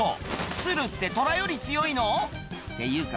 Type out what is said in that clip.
ツルってトラより強いの？っていうか